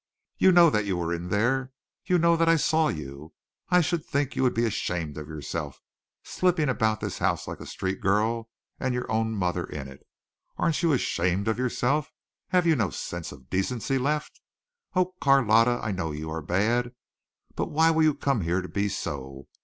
You know that you were in there. You know that I saw you. I should think you would be ashamed of yourself, slipping about this house like a street girl and your own mother in it. Aren't you ashamed of yourself? Have you no sense of decency left? Oh, Carlotta, I know you are bad, but why will you come here to be so?